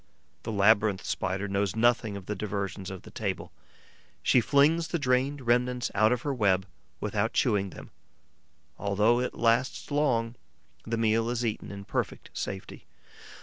The Labyrinth Spider knows nothing of the diversions of the table; she flings the drained remnants out of her web, without chewing them. Although it lasts long, the meal is eaten in perfect safety.